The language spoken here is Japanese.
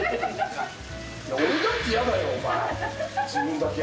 俺だって嫌だよ、お前。